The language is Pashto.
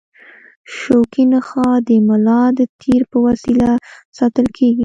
شوکي نخاع د ملا د تیر په وسیله ساتل کېږي.